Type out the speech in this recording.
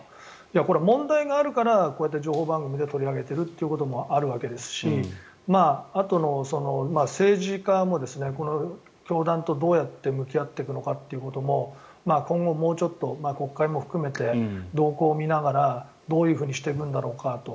これは問題があるからこうやって情報番組で取り上げているということもあるわけですしあと、政治家も教団とどうやって向き合っていくのかということも今後、もうちょっと国会も含めて動向を見ながらどういうふうにしていくんだろうかと。